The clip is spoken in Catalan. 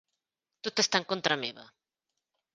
Tot està en contra meva.